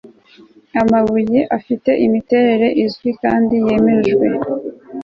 amabuye afite imiterere izwi kandi yemejwe